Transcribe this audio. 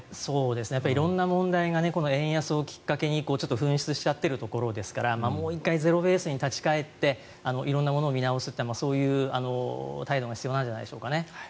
色んな問題がこの円安をきっかけに噴出しちゃっているところですからもう１回ゼロベースに立ち返って色んなものを見直すというそういう態度が必要なんじゃないですかね。